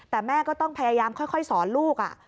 แต่แม่ก็ต้องพยายามค่อยสอนลูก